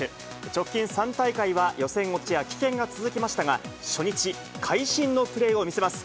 直近３大会は予選落ちや棄権が続きましたが、初日、会心のプレーを見せます。